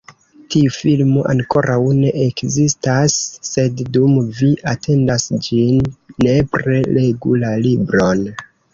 Tiu filmo ankoraŭ ne ekzistas, sed dum vi atendas ĝin, nepre legu la libron!